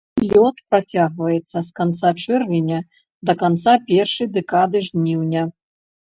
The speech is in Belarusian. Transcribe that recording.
Лёт працягваецца з канца чэрвеня да канца першай дэкады жніўня.